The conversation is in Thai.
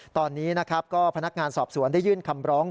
ตอนนี้พนักงานสอบสวนได้ยื่นคำร้อง